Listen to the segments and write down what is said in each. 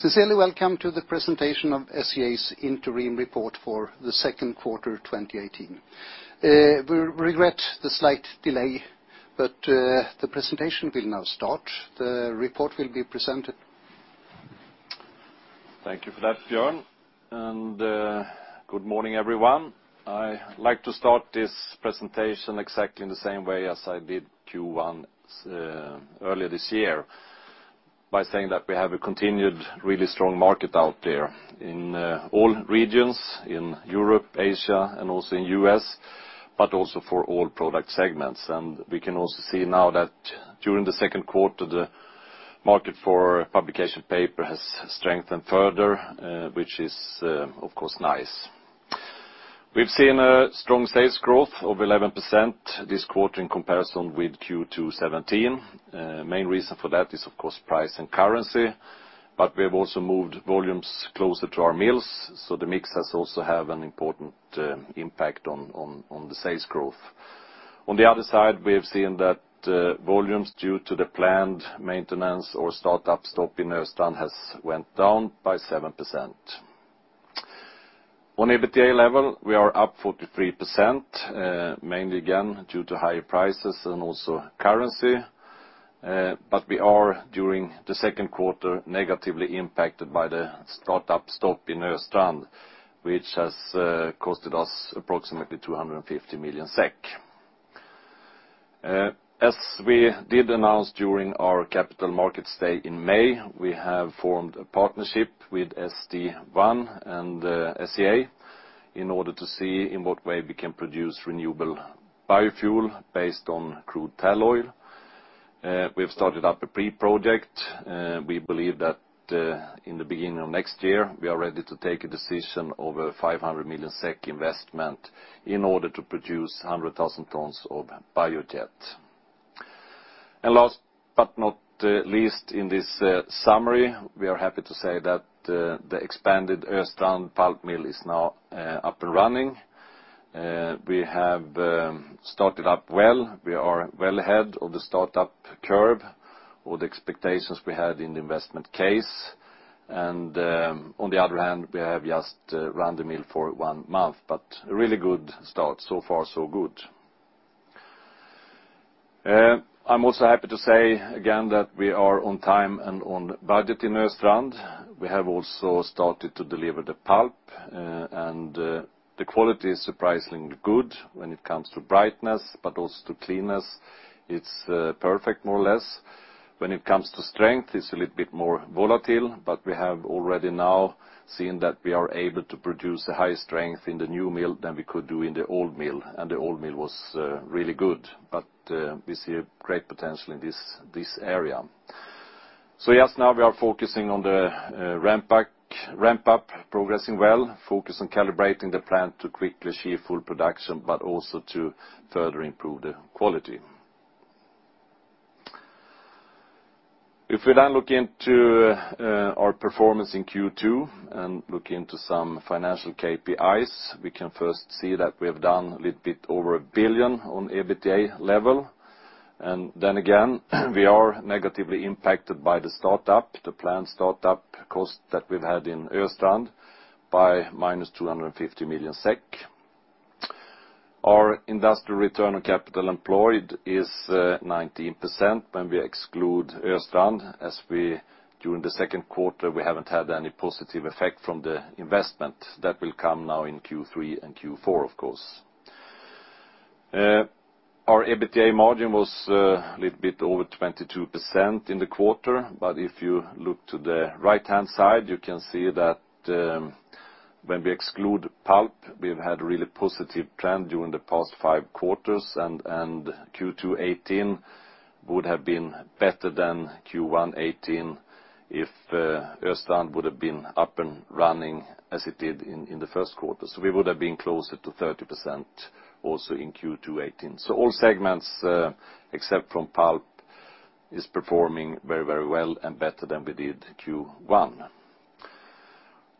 Sincerely welcome to the presentation of SCA's interim report for the second quarter of 2018. We regret the slight delay, the presentation will now start. The report will be presented. Thank you for that, Bjorn. Good morning, everyone. I like to start this presentation exactly in the same way as I did Q1 earlier this year, by saying that we have a continued really strong market out there in all regions, in Europe, Asia, and also in the U.S., but also for all product segments. We can also see now that during the second quarter, the market for publication paper has strengthened further, which is, of course, nice. We've seen a strong sales growth of 11% this quarter in comparison with Q2 2017. Main reason for that is, of course, price and currency, but we have also moved volumes closer to our mills, so the mix has also had an important impact on the sales growth. On the other side, we have seen that volumes due to the planned maintenance or startup stop in Östrand has went down by 7%. On EBITDA level, we are up 43%, mainly again, due to higher prices and also currency. We are, during the second quarter, negatively impacted by the startup stop in Östrand, which has costed us approximately 250 million SEK. As we did announce during our capital markets day in May, we have formed a partnership with St1 and SCA in order to see in what way we can produce renewable biofuel based on crude tall oil. We have started up a pre-project. We believe that in the beginning of next year, we are ready to take a decision over a 500 million SEK investment in order to produce 100,000 tons of biojet. Last but not least in this summary, we are happy to say that the expanded Östrand pulp mill is now up and running. We have started up well. We are well ahead of the startup curve or the expectations we had in the investment case. On the other hand, we have just run the mill for one month, but a really good start. So far, so good. I'm also happy to say again that we are on time and on budget in Östrand. We have also started to deliver the pulp, and the quality is surprisingly good when it comes to brightness, but also to cleanness. It's perfect, more or less. When it comes to strength, it's a little bit more volatile, but we have already now seen that we are able to produce a high strength in the new mill than we could do in the old mill, and the old mill was really good. We see a great potential in this area. Yes, now we are focusing on the ramp-up progressing well, focus on calibrating the plant to quickly achieve full production, but also to further improve the quality. If we then look into our performance in Q2 and look into some financial KPIs, we can first see that we have done a little bit over a billion on EBITDA level. Then again, we are negatively impacted by the startup, the planned startup cost that we've had in Östrand by minus 250 million SEK. Our industrial return on capital employed is 19% when we exclude Östrand, as during the second quarter, we haven't had any positive effect from the investment. That will come now in Q3 and Q4, of course. Our EBITDA margin was a little bit over 22% in the quarter. If you look to the right-hand side, you can see that when we exclude pulp, we've had a really positive trend during the past five quarters, and Q2 2018 would have been better than Q1 2018 if Östrand would have been up and running as it did in the first quarter. We would have been closer to 30% also in Q2 2018. All segments, except from pulp, is performing very well and better than we did Q1.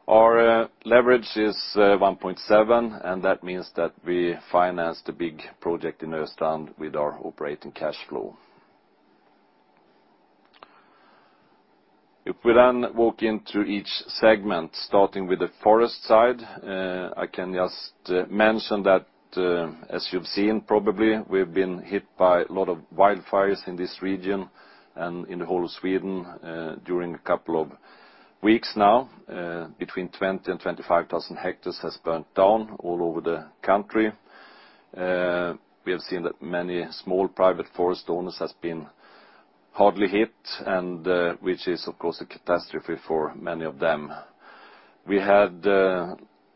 Our leverage is 1.7, and that means that we financed a big project in Östrand with our operating cash flow. If we then walk into each segment, starting with the forest side, I can just mention that, as you've seen, probably we've been hit by a lot of wildfires in this region and in the whole of Sweden during a couple of weeks now. Between 20,000 and 25,000 hectares has burnt down all over the country. We have seen that many small private forest owners has been hardly hit, which is, of course, a catastrophe for many of them. We had,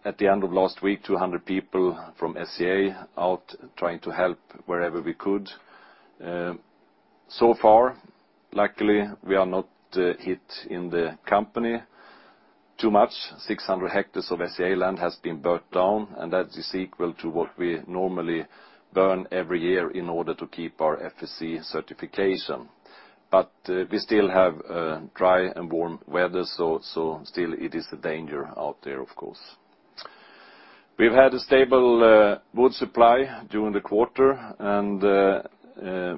at the end of last week, 200 people from SCA out trying to help wherever we could. So far, luckily, we are not hit in the company too much. 600 hectares of SCA land has been burnt down, and that is equal to what we normally burn every year in order to keep our FSC certification. We still have dry and warm weather, so still it is a danger out there, of course. We've had a stable wood supply during the quarter, and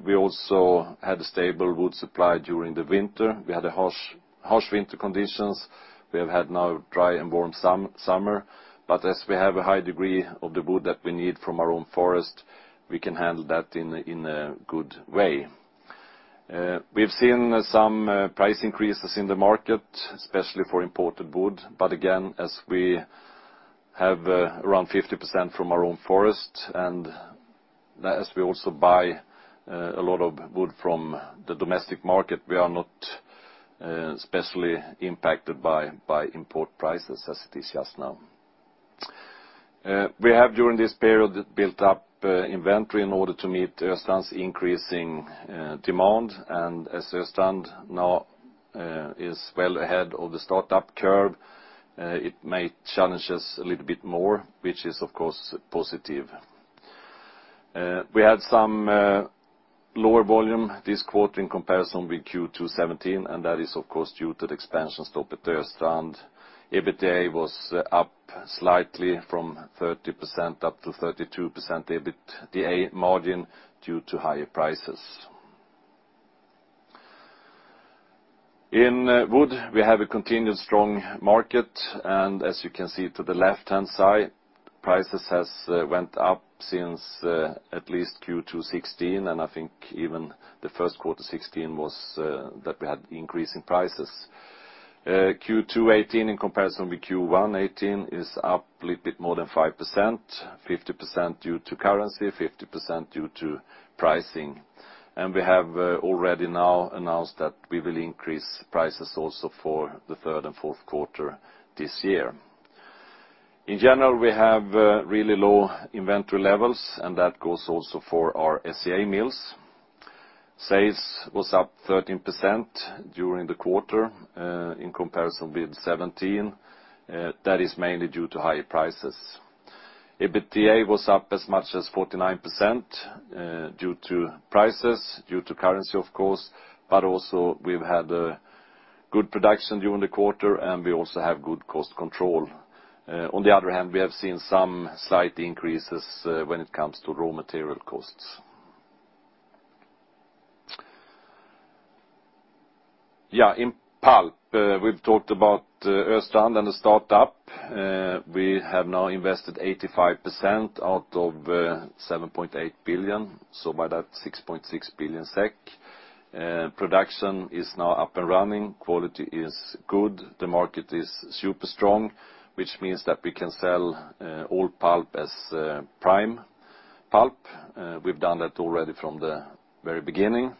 we also had a stable wood supply during the winter. We had harsh winter conditions. We have had now dry and warm summer, as we have a high degree of the wood that we need from our own forest, we can handle that in a good way. We've seen some price increases in the market, especially for imported wood, but again, as we have around 50% from our own forest, and as we also buy a lot of wood from the domestic market, we are not especially impacted by import prices as it is just now. We have, during this period, built up inventory in order to meet Östrand's increasing demand. As Östrand now is well ahead of the start-up curve, it may challenge us a little bit more, which is, of course, positive. We had some lower volume this quarter in comparison with Q2 2017, and that is, of course, due to the expansion stop at Östrand. EBITDA was up slightly from 30%-32% EBITDA margin due to higher prices. In wood, we have a continued strong market, as you can see to the left-hand side, prices has went up since at least Q2 2016, I think even the first quarter 2016 was that we had increase in prices. Q2 2018 in comparison with Q1 2018 is up a little bit more than 5%, 50% due to currency, 50% due to pricing. We have already now announced that we will increase prices also for the third and fourth quarter this year. In general, we have really low inventory levels, that goes also for our SCA mills. Sales was up 13% during the quarter, in comparison with 2017. That is mainly due to higher prices. EBITDA was up as much as 49% due to prices, due to currency, of course, but also we've had a good production during the quarter, we also have good cost control. On the other hand, we have seen some slight increases when it comes to raw material costs. In pulp, we've talked about Östrand and the start-up. We have now invested 85% out of 7.8 billion. So by that 6.6 billion SEK. Production is now up and running, quality is good. The market is super strong, which means that we can sell all pulp as prime pulp. We've done that already from the very beginning.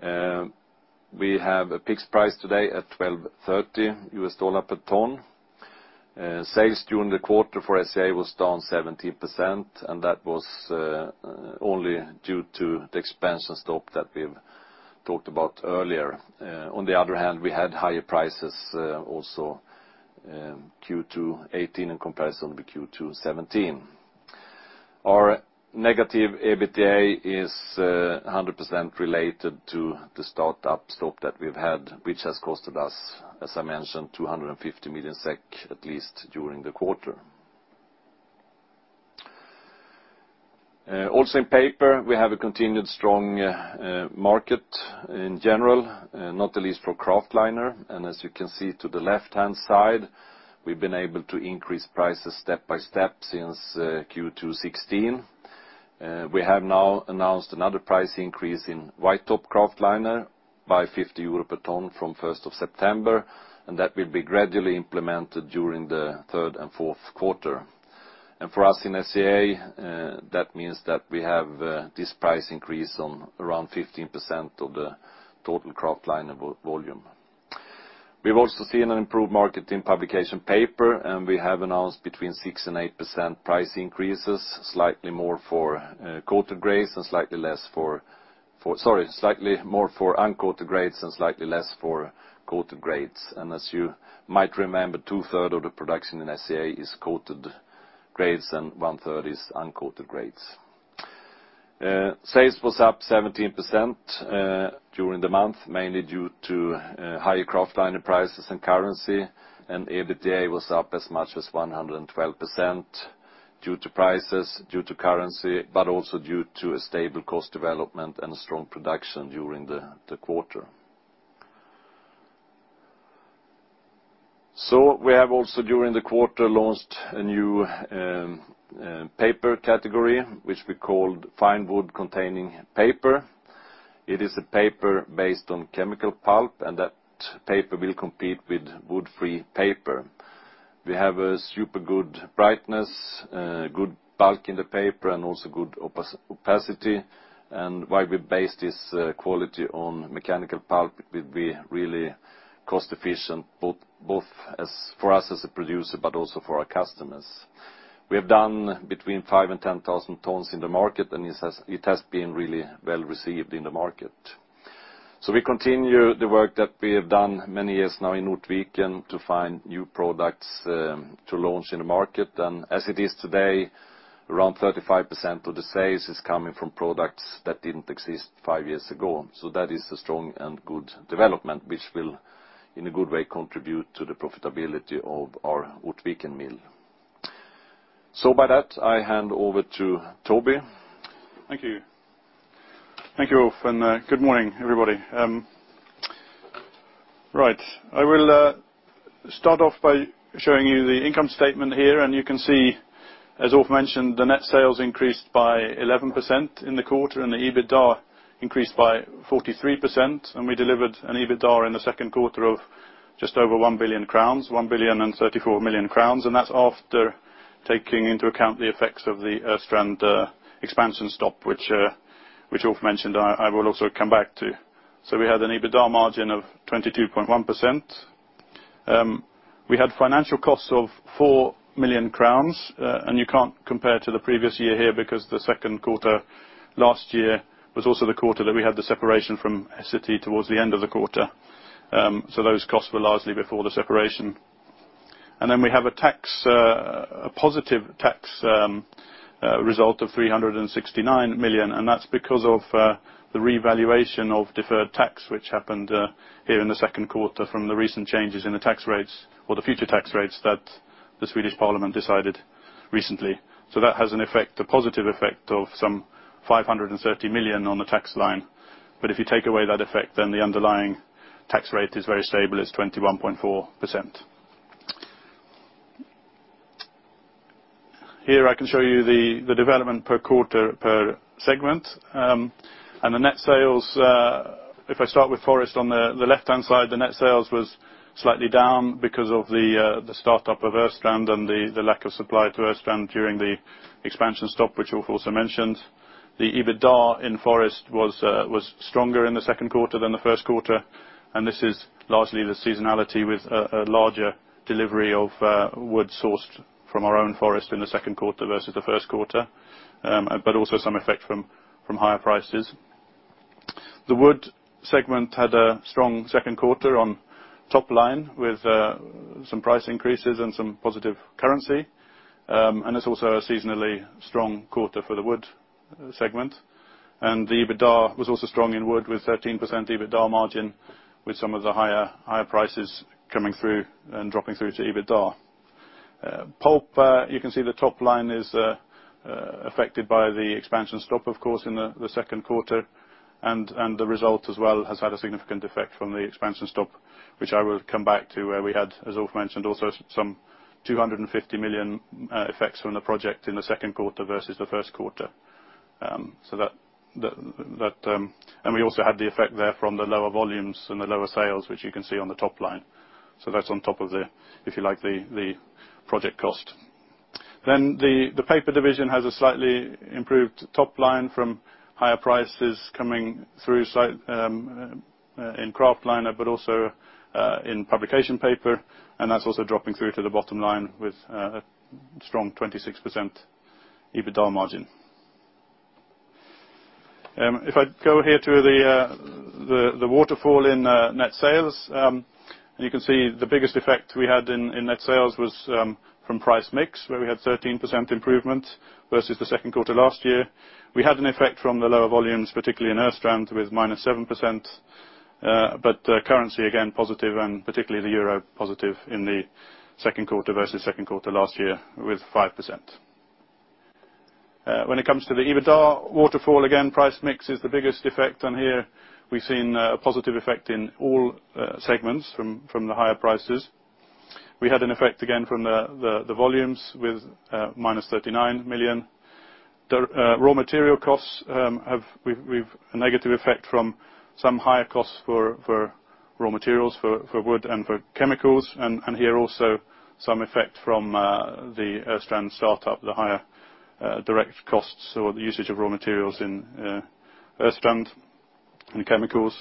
We have a PIX price today at $1,230 per ton. Sales during the quarter for SCA was down 17%, that was only due to the expansion stop that we've talked about earlier. On the other hand, we had higher prices also Q2 2018 in comparison with Q2 2017. Our negative EBITDA is 100% related to the start-up stop that we've had, which has costed us, as I mentioned, 250 million SEK at least during the quarter. In paper, we have a continued strong market in general, not the least for kraftliner. As you can see to the left-hand side, we've been able to increase prices step by step since Q2 2016. We have now announced another price increase in white top kraftliner by 50 euro per ton from 1st of September, that will be gradually implemented during the third and fourth quarter. For us in SCA, that means that we have this price increase on around 15% of the total kraftliner volume. We've also seen an improved market in publication paper, we have announced between 6%-8% price increases, slightly more for uncoated grades and slightly less for coated grades. As you might remember, two-third of the production in SCA is coated grades and one-third is uncoated grades. Sales was up 17% during the month, mainly due to higher kraftliner prices and currency, EBITDA was up as much as 112% due to prices, due to currency, but also due to a stable cost development and strong production during the quarter. We have also during the quarter launched a new paper category, which we called fine wood-containing paper. It is a paper based on chemical pulp. That paper will compete with wood-free paper. We have a super good brightness, good bulk in the paper, and also good opacity. Why we base this quality on mechanical pulp, it will be really cost efficient both for us as a producer, but also for our customers. We have done between 5,000 and 10,000 tons in the market, and it has been really well received in the market. We continue the work that we have done many years now in Ortviken to find new products to launch in the market. As it is today, around 35% of the sales is coming from products that didn't exist five years ago. That is a strong and good development, which will, in a good way, contribute to the profitability of our Ortviken mill. With that, I hand over to Toby. Thank you. Thank you, Ulf, and good morning, everybody. I will start off by showing you the income statement here, and you can see, as Ulf mentioned, the net sales increased by 11% in the quarter, and the EBITDA increased by 43%. We delivered an EBITDA in the second quarter of just over 1 billion crowns, 1,034 million crowns, and that's after taking into account the effects of the Östrand expansion stop, which Ulf mentioned. I will also come back to. We had an EBITDA margin of 22.1%. We had financial costs of 4 million crowns, and you can't compare to the previous year here because the second quarter last year was also the quarter that we had the separation from Essity towards the end of the quarter. Those costs were largely before the separation. We have a positive tax result of 369 million, and that's because of the revaluation of deferred tax, which happened here in the second quarter from the recent changes in the tax rates or the future tax rates that the Swedish Parliament decided recently. That has a positive effect of some 530 million on the tax line. If you take away that effect, then the underlying tax rate is very stable, it's 21.4%. Here I can show you the development per quarter, per segment. The net sales, if I start with Forest on the left-hand side, the net sales was slightly down because of the start-up of Östrand and the lack of supply to Östrand during the expansion stop, which Ulf also mentioned. The EBITDA in Forest was stronger in the second quarter than the first quarter, this is largely the seasonality with a larger delivery of wood sourced from our own forest in the second quarter versus the first quarter, also some effect from higher prices. The Wood segment had a strong second quarter on top line with some price increases and some positive currency. It's also a seasonally strong quarter for the Wood segment. The EBITDA was also strong in Wood with 13% EBITDA margin, with some of the higher prices coming through and dropping through to EBITDA. Pulp, you can see the top line is affected by the expansion stop, of course, in the second quarter, the result as well has had a significant effect from the expansion stop, which I will come back to, where we had, as Ulf mentioned, also some 250 million effects from the project in the second quarter versus the first quarter. We also had the effect there from the lower volumes and the lower sales, which you can see on the top line. That's on top of the, if you like, the project cost. The Paper division has a slightly improved top line from higher prices coming through in kraftliner, also in publication paper, that's also dropping through to the bottom line with a strong 26% EBITDA margin. If I go here to the waterfall in net sales, you can see the biggest effect we had in net sales was from price mix, where we had 13% improvement versus the second quarter last year. We had an effect from the lower volumes, particularly in Östrand, with minus 7%, currency again positive and particularly the euro positive in the second quarter versus second quarter last year with 5%. When it comes to the EBITDA waterfall, again, price mix is the biggest effect on here. We've seen a positive effect in all segments from the higher prices. We had an effect again from the volumes with minus 39 million. The raw material costs, we've a negative effect from some higher costs for raw materials for wood and for chemicals, here also some effect from the Östrand start-up, the higher direct costs or the usage of raw materials in Östrand and chemicals.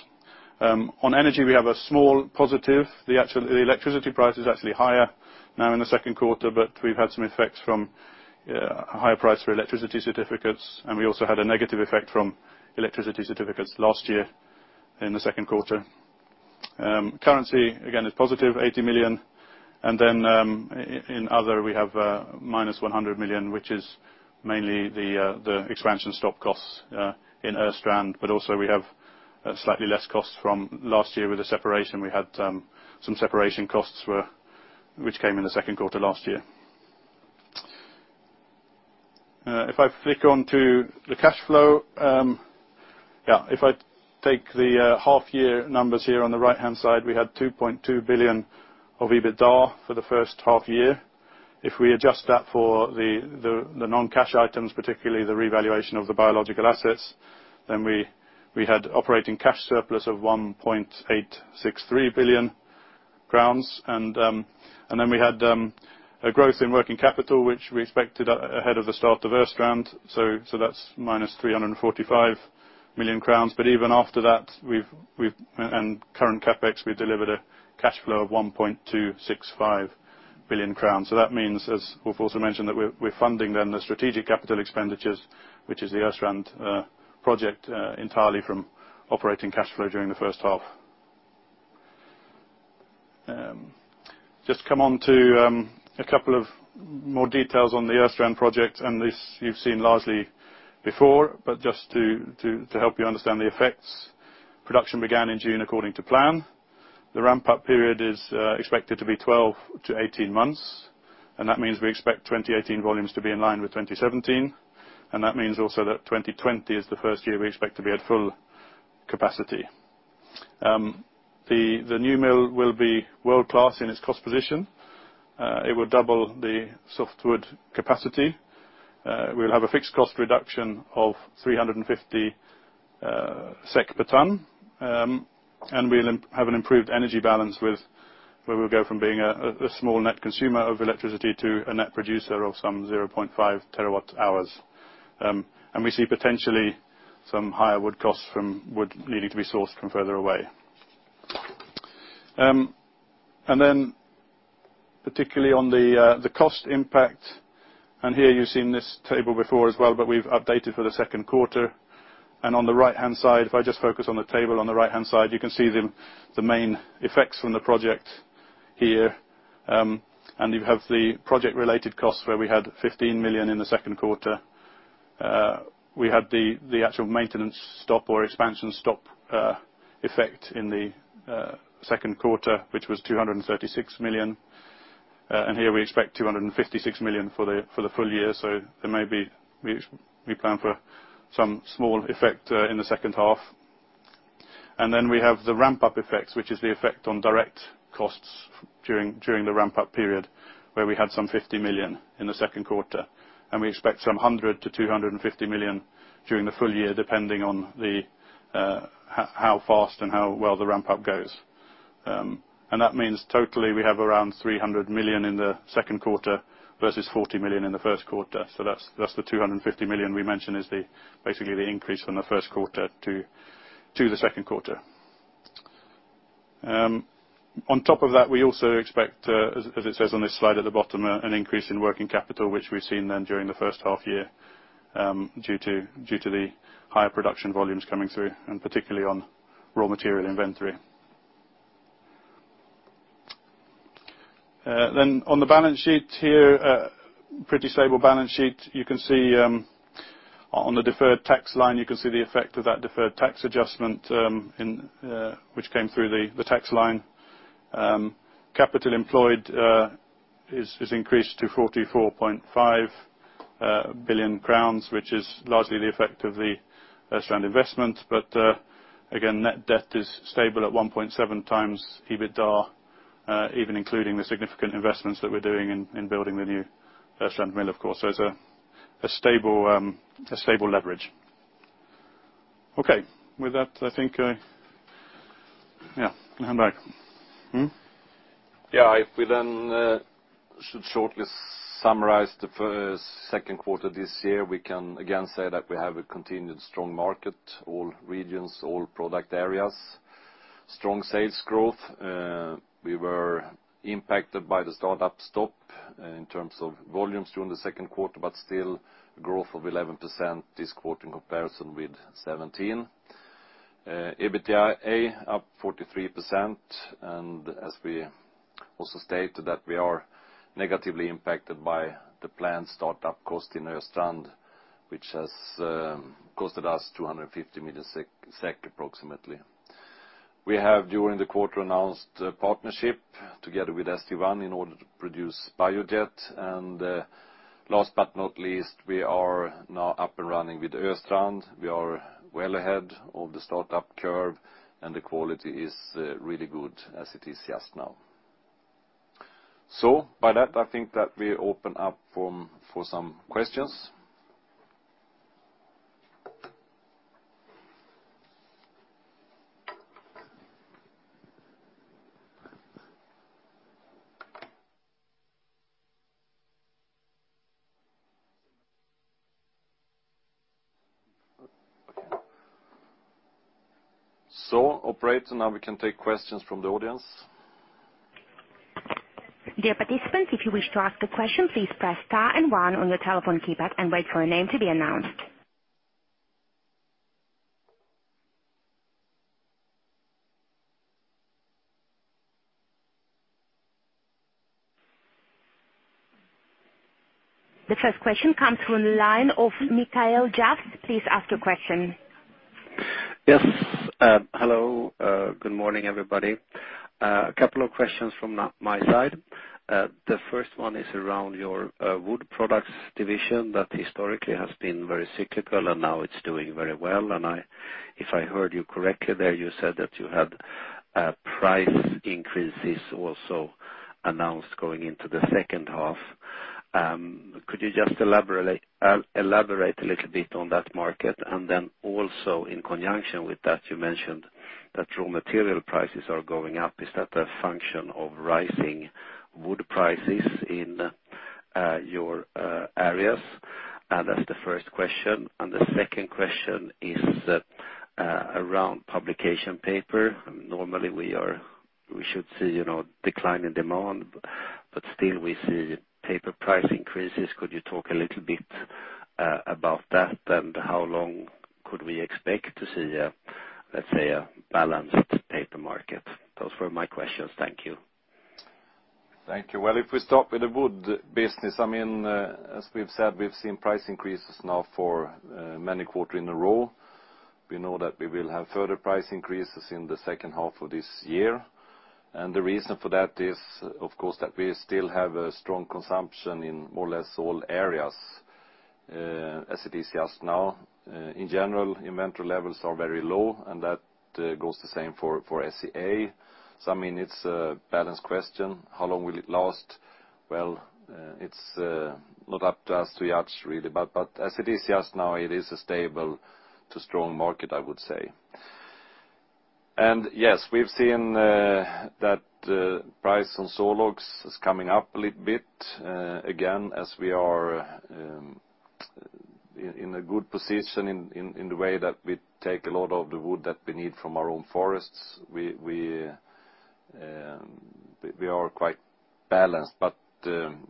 On energy, we have a small positive. The electricity price is actually higher now in the second quarter, we've had some effects from a higher price for electricity certificates, we also had a negative effect from electricity certificates last year in the second quarter. Currency, again, is positive, 80 million, in other, we have minus 100 million, which is mainly the expansion stop costs in Östrand, also we have slightly less costs from last year with the separation. We had some separation costs which came in the second quarter last year. If I flick onto the cash flow. If I take the half-year numbers here on the right-hand side, we had 2.2 billion of EBITDA for the first half year. If we adjust that for the non-cash items, particularly the revaluation of the biological assets, then we had operating cash surplus of 1.863 billion crowns. We had a growth in working capital, which we expected ahead of the start of Östrand. That is minus 345 million crowns. But even after that, and current CapEx, we delivered a cash flow of 1.265 billion crowns. That means, as Ulf also mentioned, that we are funding then the strategic capital expenditures, which is the Östrand project entirely from operating cash flow during the first half. Just come on to a couple of more details on the Östrand project. This you have seen largely before, but just to help you understand the effects. Production began in June according to plan. The ramp-up period is expected to be 12-18 months, and that means we expect 2018 volumes to be in line with 2017. That means also that 2020 is the first year we expect to be at full capacity. The new mill will be world-class in its cost position. It will double the softwood capacity. We will have a fixed cost reduction of 350 SEK per ton. We will have an improved energy balance where we will go from being a small net consumer of electricity to a net producer of some 0.5 terawatt hours. We see potentially some higher wood costs from wood needing to be sourced from further away. Then particularly on the cost impact. Here you have seen this table before as well, but we have updated for the second quarter. If I just focus on the table on the right-hand side, you can see the main effects from the project here. You have the project-related costs where we had 15 million in the second quarter. We had the actual maintenance stop or expansion stop effect in the second quarter, which was 236 million. Here we expect 256 million for the full year. So we plan for some small effect in the second half. Then we have the ramp-up effects, which is the effect on direct costs during the ramp-up period, where we had some 50 million in the second quarter. We expect some 100 million-250 million during the full year, depending on how fast and how well the ramp-up goes. That means totally we have around 300 million in the second quarter versus 40 million in the first quarter. That is the 250 million we mentioned is basically the increase from the first quarter to the second quarter. On top of that, we also expect, as it says on this slide at the bottom, an increase in working capital, which we have seen then during the first half year, due to the higher production volumes coming through, and particularly on raw material inventory. Then on the balance sheet here, pretty stable balance sheet. On the deferred tax line, you can see the effect of that deferred tax adjustment which came through the tax line. Capital employed has increased to 44.5 billion crowns, which is largely the effect of the Östrand investment. But again, net debt is stable at 1.7x EBITDA, even including the significant investments that we are doing in building the new Östrand mill, of course. So it is a stable leverage. Okay. With that, I think, yeah. [inaudible] Hmm? If we should shortly summarize the second quarter this year, we can again say that we have a continued strong market, all regions, all product areas. Strong sales growth. We were impacted by the start-up stop in terms of volumes during the second quarter, but still growth of 11% this quarter in comparison with 2017. EBITDA up 43%. As we also stated, that we are negatively impacted by the planned start-up cost in Östrand, which has cost us 250 million SEK, approximately. We have, during the quarter, announced a partnership together with St1 in order to produce biojet. Last but not least, we are now up and running with Östrand. We are well ahead of the start-up curve, and the quality is really good as it is just now. By that, I think that we open up for some questions. Operator, now we can take questions from the audience. Dear participants, if you wish to ask a question, please press star and 1 on your telephone keypad and wait for your name to be announced. The first question comes from the line of Mikael Jansson. Please ask your question. Yes. Hello. Good morning, everybody. A couple of questions from my side. The first one is around your Wood Products division that historically has been very cyclical, and now it's doing very well. If I heard you correctly there, you said that you had price increases also announced going into the second half. Could you just elaborate a little bit on that market? Also in conjunction with that, you mentioned that raw material prices are going up. Is that a function of rising wood prices in your areas? That's the first question. The second question is around publication paper. Normally we should see decline in demand. Still we see paper price increases. Could you talk a little bit about that? How long could we expect to see, let's say, a balanced paper market? Those were my questions. Thank you. Thank you. Well, if we start with the wood business, as we've said, we've seen price increases now for many quarter in a row. We know that we will have further price increases in the second half of this year. The reason for that is, of course, that we still have a strong consumption in more or less all areas, as it is just now. In general, inventory levels are very low, and that goes the same for SCA. It's a balance question. How long will it last? Well, it's not up to us to judge, really. As it is just now, it is a stable to strong market, I would say. Yes, we've seen that price on sawlogs is coming up a little bit again as we are in a good position in the way that we take a lot of the wood that we need from our own forests. We are quite balanced, but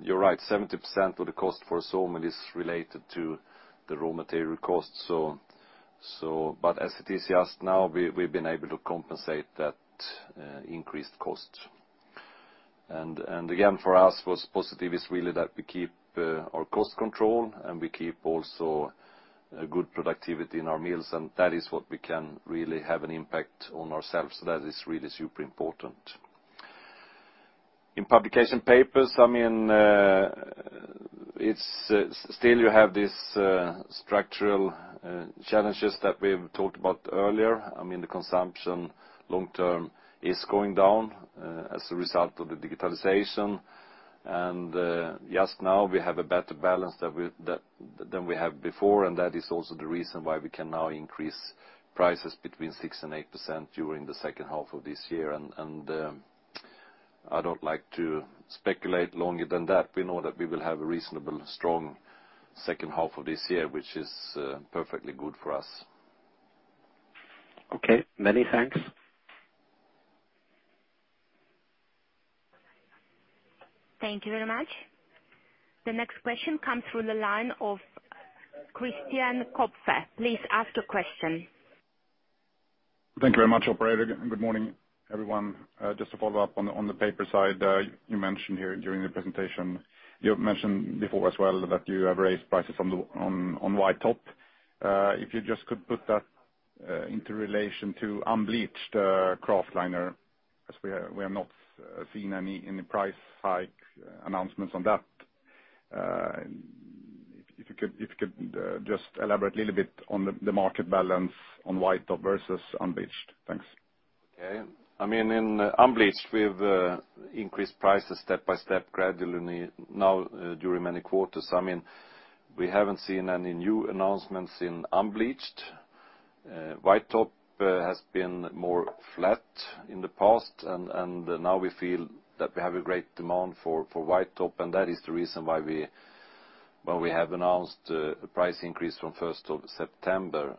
you're right, 70% of the cost for sawmill is related to the raw material cost. As it is just now, we've been able to compensate that increased cost. Again, for us, what's positive is really that we keep our cost control, and we keep also a good productivity in our mills, and that is what we can really have an impact on ourselves. That is really super important. In publication papers, still you have these structural challenges that we've talked about earlier. The consumption long term is going down as a result of the digitalization. Just now we have a better balance than we have before, and that is also the reason why we can now increase prices between 6% and 8% during the second half of this year. I don't like to speculate longer than that. We know that we will have a reasonably strong second half of this year, which is perfectly good for us. Okay, many thanks. Thank you very much. The next question comes through the line of Cole Hathorn. Please ask the question. Thank you very much, operator, good morning, everyone. Just to follow up on the paper side, you mentioned here during the presentation, you have mentioned before as well that you have raised prices on white top. If you just could put that into relation to unbleached kraftliner, as we have not seen any price hike announcements on that. If you could just elaborate a little bit on the market balance on white top versus unbleached. Thanks. Okay. In unbleached, we've increased prices step by step gradually now during many quarters. We haven't seen any new announcements in unbleached. White top has been more flat in the past, now we feel that we have a great demand for white top, that is the reason why we have announced a price increase from 1st of September.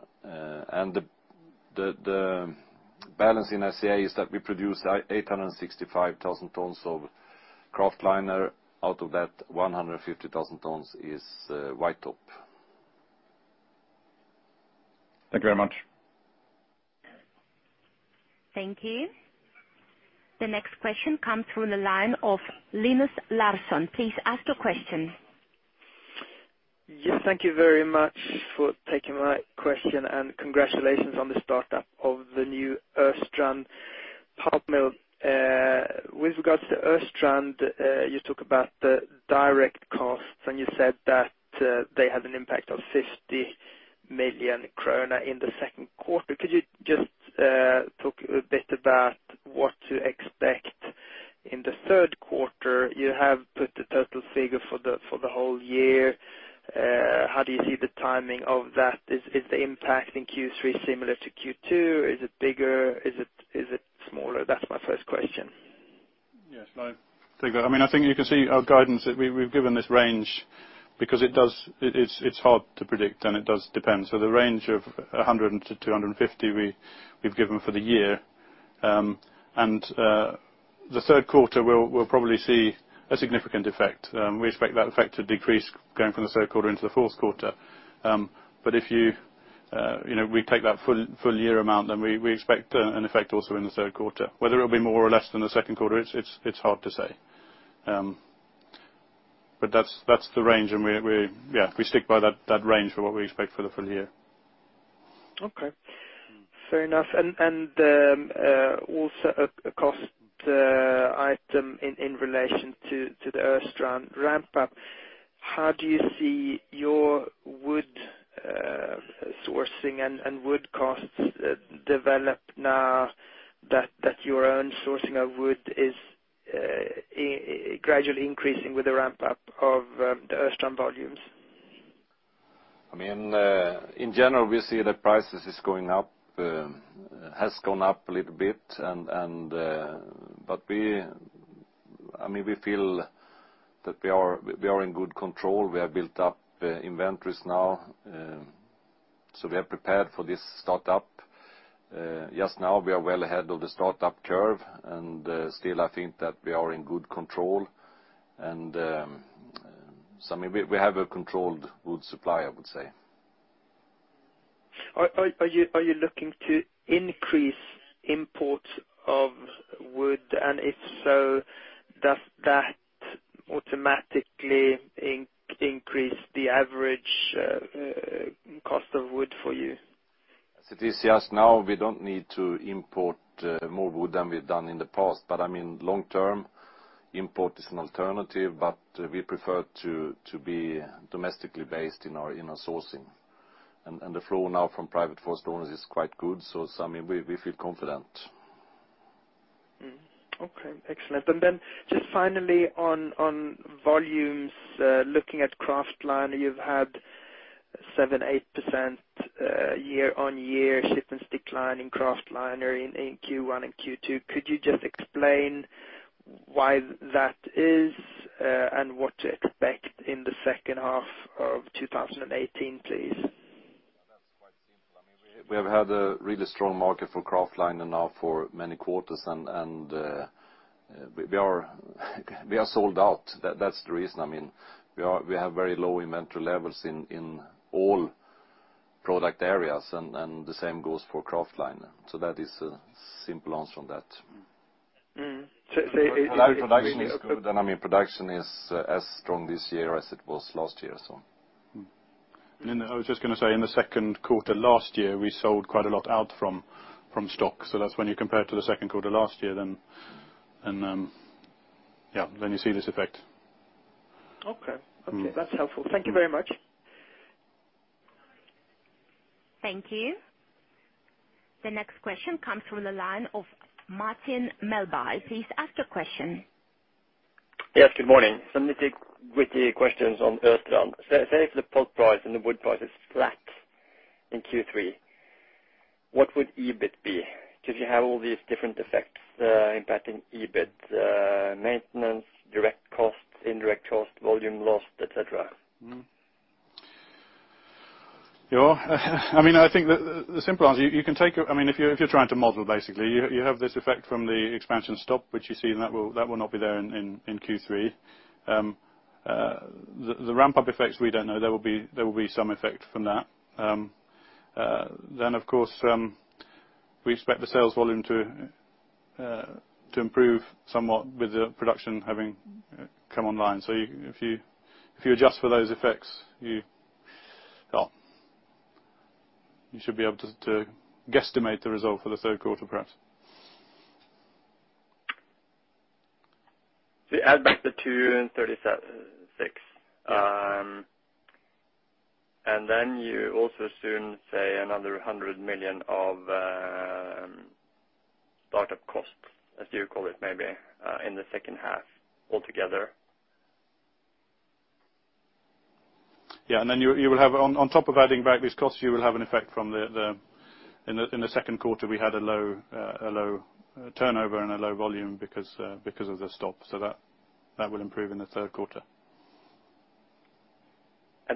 The balance in SCA is that we produce 865,000 tons of kraftliner. Out of that, 150,000 tons is white top. Thank you very much. Thank you. The next question comes through the line of Linus Larsson. Please ask the question. Thank you very much for taking my question, and congratulations on the startup of the new Östrand pulp mill. With regards to Östrand, you talk about the direct costs, and you said that they had an impact of 50 million kronor in the second quarter. Could you just talk a bit about what to expect in the third quarter? You have put the total figure for the whole year. How do you see the timing of that? Is the impact in Q3 similar to Q2? Is it bigger? Is it smaller? That's my first question. If I take that. I think you can see our guidance that we've given this range because it's hard to predict, and it does depend. The range of 100-250 we've given for the year. The third quarter will probably see a significant effect. We expect that effect to decrease going from the third quarter into the fourth quarter. If we take that full year amount, we expect an effect also in the third quarter. Whether it will be more or less than the second quarter, it's hard to say. That's the range, and we stick by that range for what we expect for the full year. Okay. Fair enough. Also a cost item in relation to the Östrand ramp up. How do you see your wood sourcing and wood costs develop now that your own sourcing of wood is gradually increasing with the ramp up of the Östrand volumes? In general, we see that prices has gone up a little bit. We feel that we are in good control. We have built up inventories now. We are prepared for this startup. Just now we are well ahead of the startup curve and still I think that we are in good control. We have a controlled wood supply, I would say. Are you looking to increase imports of wood, and if so, does that automatically increase the average cost of wood for you? As it is just now, we don't need to import more wood than we've done in the past. Long-term, import is an alternative, but we prefer to be domestically based in our sourcing. The flow now from private forest owners is quite good, so we feel confident. Okay, excellent. Then just finally on volumes, looking at kraftliner, you've had 7%-8% year-on-year shipments decline in kraftliner in Q1 and Q2. Could you just explain why that is, and what to expect in the second half of 2018, please? That's quite simple. We have had a really strong market for kraftliner now for many quarters and we are sold out. That's the reason. We have very low inventory levels in all product areas, and the same goes for kraftliner. That is a simple answer on that. Production is good. Production is as strong this year as it was last year. I was just going to say, in the second quarter last year, we sold quite a lot out from stock. That's when you compare to the second quarter last year, you see this effect. Okay. That's helpful. Thank you very much. Thank you. The next question comes from the line of Martin Melbye. Please ask your question. Yes, good morning. Some nitty-gritty questions on Östrand. Say if the pulp price and the wood price is flat in Q3, what would EBIT be? You have all these different effects impacting EBIT, maintenance, direct costs, indirect costs, volume lost, et cetera. I think the simple answer, if you're trying to model, basically, you have this effect from the expansion stop, which you see, that will not be there in Q3. The ramp-up effects, we don't know. There will be some effect from that. Of course, we expect the sales volume to improve somewhat with the production having come online. If you adjust for those effects, you should be able to guesstimate the result for the third quarter, perhaps. You add back the 236. Yeah. You also soon say another 100 million of startup costs, as you call it, maybe, in the second half altogether. On top of adding back these costs, you will have an effect from in the second quarter, we had a low turnover and a low volume because of the stop. That will improve in the third quarter.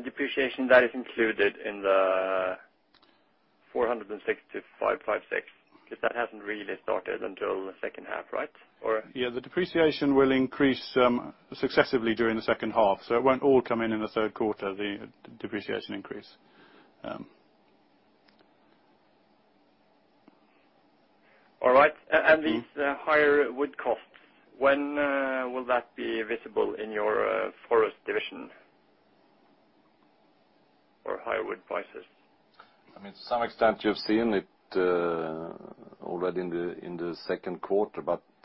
Depreciation, that is included in the 460, 556, because that hasn't really started until the second half, right? The depreciation will increase successively during the second half. It won't all come in in the third quarter, the depreciation increase. All right. These higher wood costs, when will that be visible in your forest division? Or higher wood prices. To some extent, you've seen it already in the second quarter.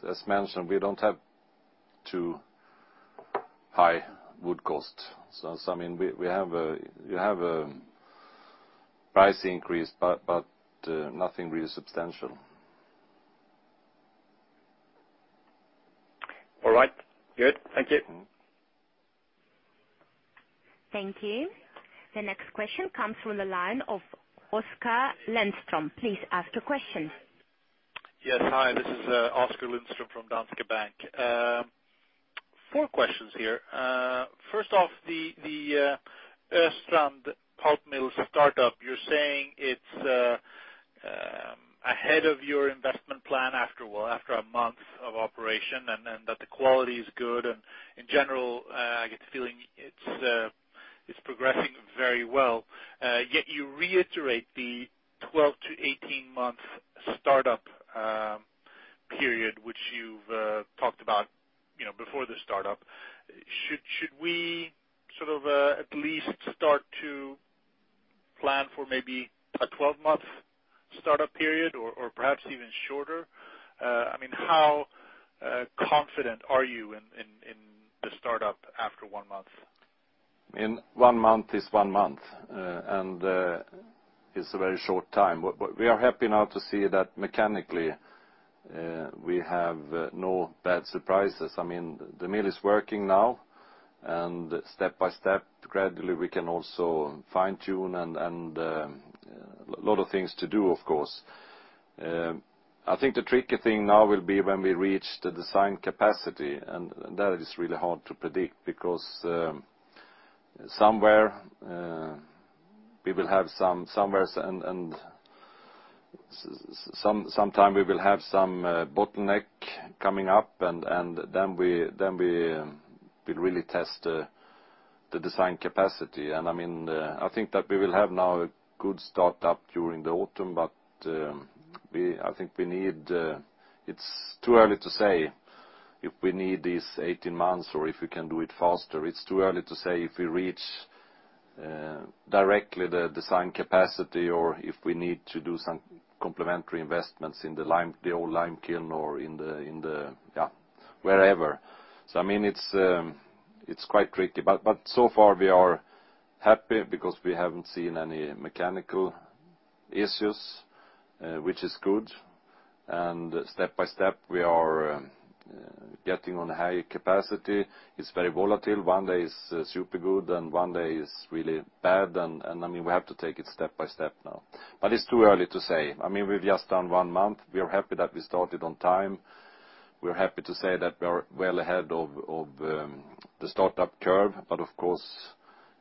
As mentioned, we don't have too high wood cost. You have a price increase, but nothing really substantial. All right. Good. Thank you. Thank you. The next question comes from the line of Oskar Lindström. Please ask your question. Yes. Hi, this is Oskar Lindström from Danske Bank. Four questions here. First off, the Östrand pulp mill startup. You are saying it is ahead of your investment plan after a month of operation, and that the quality is good, and in general, I get the feeling it is progressing very well. Yet you reiterate the 12 to 18 month startup period which you have talked about before the startup. Should we at least start to plan for maybe a 12 month startup period or perhaps even shorter? How confident are you in the startup after one month? One month is one month. It is a very short time. We are happy now to see that mechanically we have no bad surprises. The mill is working now, and step-by-step, gradually we can also fine-tune and a lot of things to do, of course. I think the tricky thing now will be when we reach the design capacity. That is really hard to predict because sometime we will have some bottleneck coming up and then we will really test the design capacity. I think that we will have now a good start up during the autumn. It is too early to say if we need these 18 months or if we can do it faster. It is too early to say if we reach directly the design capacity or if we need to do some complementary investments in the old lime kiln or wherever. It is quite tricky. So far we are happy because we have not seen any mechanical issues, which is good. Step by step we are getting on high capacity. It is very volatile. One day is super good and one day is really bad. We have to take it step by step now. It is too early to say. We have just done one month. We are happy that we started on time. We are happy to say that we are well ahead of the start-up curve. Of course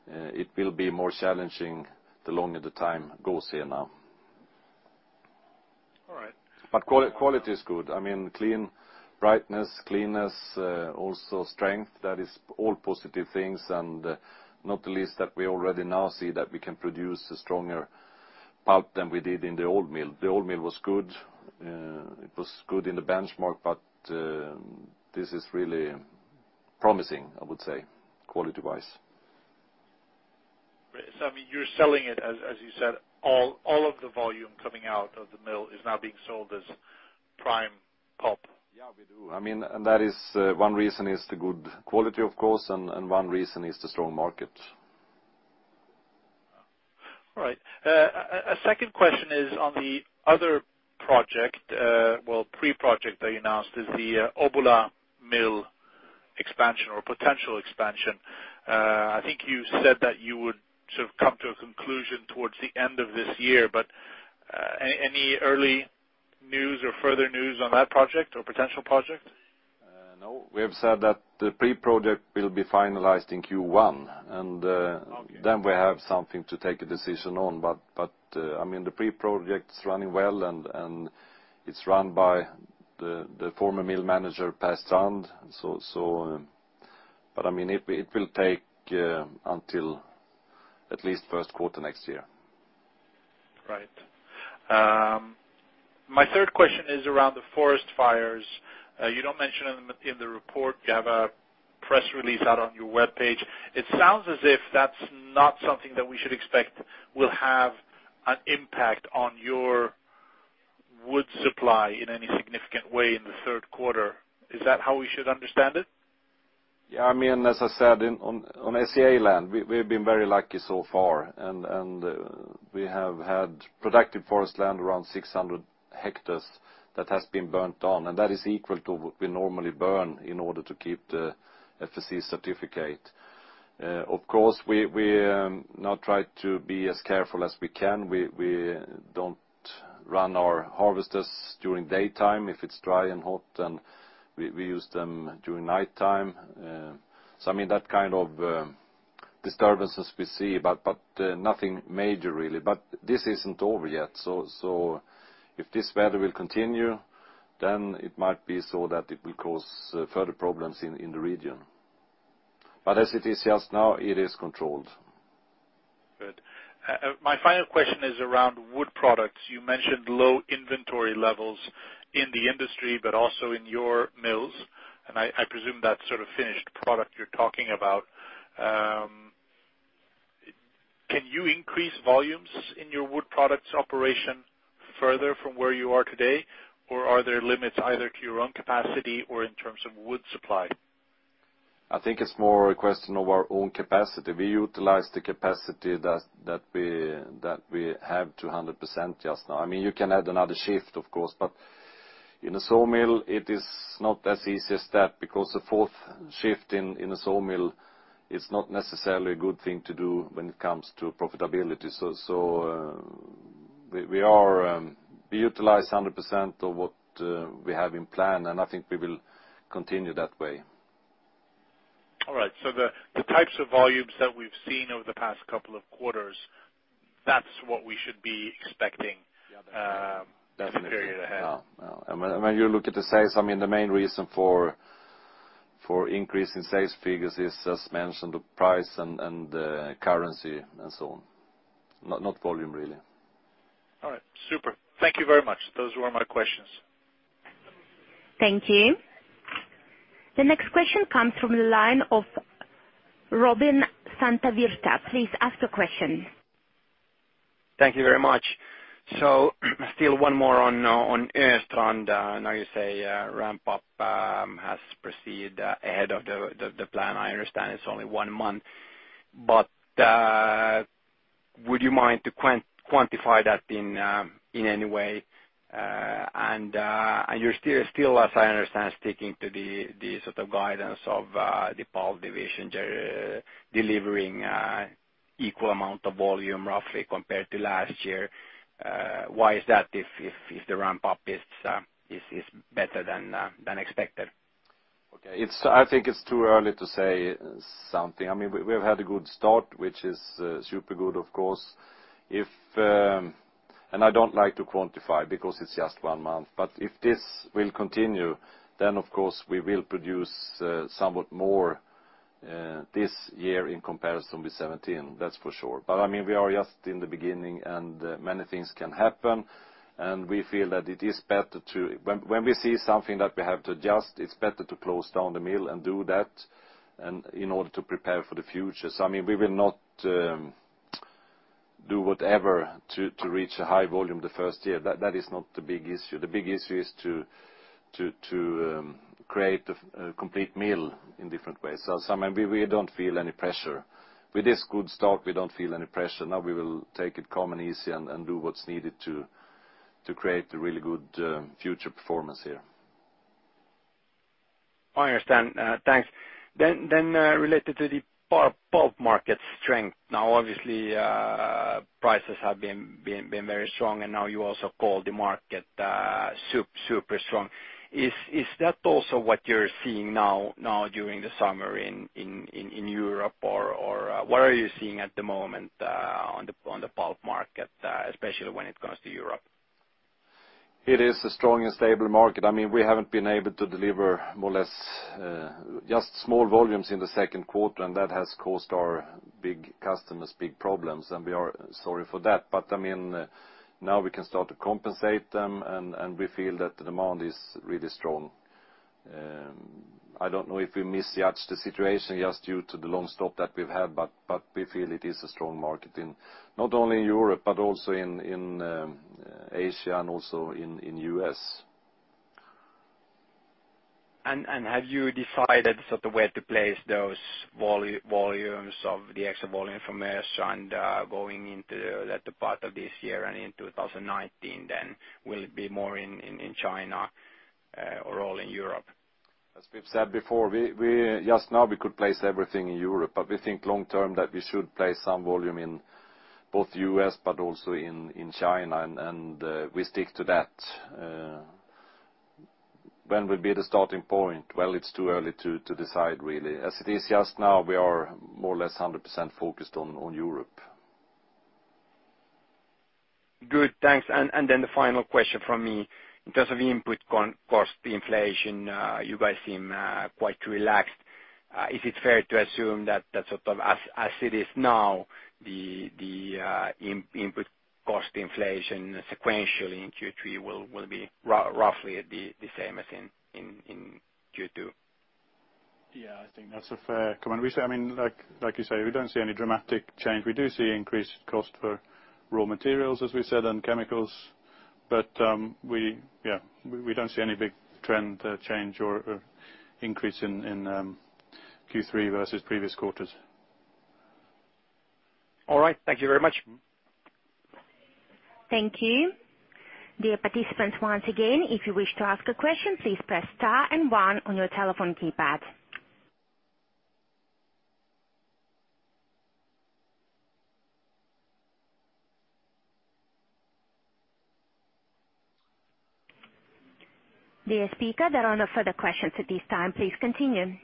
it will be more challenging the longer the time goes here now. All right. Quality is good. Clean brightness, cleanness, also strength, that is all positive things, and not the least that we already now see that we can produce a stronger pulp than we did in the old mill. The old mill was good. It was good in the benchmark, but this is really promising, I would say, quality-wise. You're selling it, as you said, all of the volume coming out of the mill is now being sold as prime pulp? Yeah, we do. One reason is the good quality, of course, and one reason is the strong market. All right. A second question is on the other project. Well, pre-project that you announced is the Obbola mill expansion or potential expansion. I think you said that you would sort of come to a conclusion towards the end of this year, any early news or further news on that project or potential project? No. We have said that the pre-project will be finalized in Q1, and then we have something to take a decision on. The pre-project is running well, and it's run by the former mill manager, Per Strand. It will take until at least first quarter next year. Right. My third question is around the forest fires. You don't mention them in the report. You have a press release out on your webpage. It sounds as if that's not something that we should expect will have an impact on your wood supply in any significant way in the third quarter. Is that how we should understand it? Yeah, as I said, on SCA land, we've been very lucky so far, and we have had productive forest land around 600 hectares that has been burnt on, and that is equal to what we normally burn in order to keep the FSC certificate. Of course, we now try to be as careful as we can. We don't run our harvesters during daytime if it's dry and hot, and we use them during nighttime. That kind of disturbances we see, but nothing major, really. This isn't over yet, so if this weather will continue, then it might be so that it will cause further problems in the region. As it is just now, it is controlled. Good. My final question is around wood products. You mentioned low inventory levels in the industry, but also in your mills, and I presume that's sort of finished product you're talking about. Can you increase volumes in your wood products operation further from where you are today? Or are there limits either to your own capacity or in terms of wood supply? I think it's more a question of our own capacity. We utilize the capacity that we have to 100% just now. You can add another shift, of course, but in a sawmill, it is not as easy as that because the fourth shift in a sawmill is not necessarily a good thing to do when it comes to profitability. We utilize 100% of what we have in plan, and I think we will continue that way. All right. The types of volumes that we've seen over the past couple of quarters, that's what we should be expecting- Yeah in the period ahead. Yeah. When you look at the sales, the main reason for increase in sales figures is just mentioned, the price and the currency and so on. Not volume, really. All right. Super. Thank you very much. Those were my questions. Thank you. The next question comes from the line of Robin Santavirta. Please ask the question. Thank you very much. Still one more on Östrand. I know you say ramp up has proceeded ahead of the plan. I understand it's only one month, but would you mind to quantify that in any way? You're still, as I understand, sticking to the guidance of the pulp division. They're delivering equal amount of volume roughly compared to last year. Why is that if the ramp up is better than expected? Okay. I think it's too early to say something. We've had a good start, which is super good, of course. I don't like to quantify because it's just one month, but if this will continue, then of course we will produce somewhat more this year in comparison with 2017, that's for sure. We are just in the beginning, and many things can happen, and we feel that when we see something that we have to adjust, it's better to close down the mill and do that in order to prepare for the future. We will not do whatever to reach a high volume the first year. That is not the big issue. The big issue is to create a complete mill in different ways. We don't feel any pressure. With this good start, we don't feel any pressure. We will take it calm and easy and do what's needed to create a really good future performance here. I understand. Thanks. Related to the pulp market strength. Obviously, prices have been very strong, and you also call the market super strong. Is that also what you're seeing now during the summer in Europe? What are you seeing at the moment on the pulp market, especially when it comes to Europe? It is a strong and stable market. We haven't been able to deliver more or less just small volumes in the second quarter, and that has caused our big customers big problems, and we are sorry for that. Now we can start to compensate them, and we feel that the demand is really strong. I don't know if we misjudged the situation just due to the long stop that we've had, we feel it is a strong market not only in Europe, but also in Asia and also in U.S. Have you decided where to place those volumes of the extra volume from Östrand and going into the latter part of this year and in 2019? Will it be more in China or all in Europe? As we've said before, just now we could place everything in Europe, but we think long term that we should place some volume in both U.S. but also in China and we stick to that. When will be the starting point? Well, it's too early to decide really. As it is just now, we are more or less 100% focused on Europe. Good. Thanks. Then the final question from me. In terms of input cost inflation, you guys seem quite relaxed. Is it fair to assume that as it is now, the input cost inflation sequentially in Q3 will be roughly the same as in Q2? Yeah, I think that's a fair comment. Like you say, we don't see any dramatic change. We do see increased cost for raw materials, as we said, and chemicals. We don't see any big trend change or increase in Q3 versus previous quarters. All right. Thank you very much. Thank you. Dear participants, once again, if you wish to ask a question, please press star and one on your telephone keypad. Dear speaker, there are no further questions at this time. Please continue.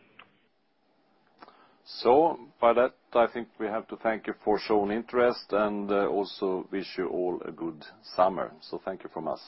By that, I think we have to thank you for shown interest and also wish you all a good summer. Thank you from us.